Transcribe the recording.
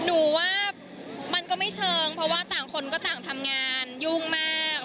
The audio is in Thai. หนูว่ามันก็ไม่เชิงเพราะว่าต่างคนก็ต่างทำงานยุ่งมาก